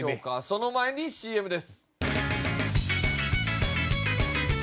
その前にＣＭです。